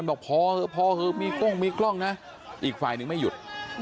พอเผาเผาเพียงมีกร่องนะอีกฝ่ายไม่หยุด